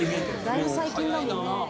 だいぶ最近だもんな。